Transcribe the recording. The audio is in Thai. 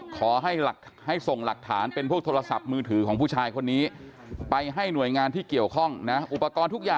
การสนองค่ะ